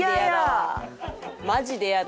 マジでやだ。